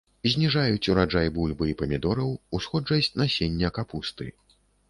Зніжаюць ураджай бульбы і памідораў, усходжасць насення капусты.